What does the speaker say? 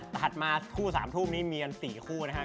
ถัดมาคู่๓ทุ่มนี้มีกัน๔คู่นะครับ